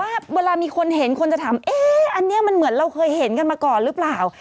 ว่าเวลามีคนเห็นคนจะถามเอ๊ะอันนี้มันเหมือนเราเคยเห็นกันมาก่อนหรือเปล่า